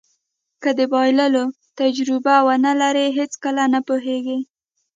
که د بایللو تجربه ونلرئ هېڅکله نه پوهېږو.